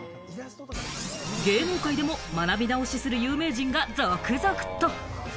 芸能界でも学び直しをする有名人が続々と！